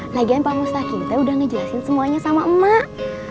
legion pak mustahakinta udah ngejelasin semuanya sama emak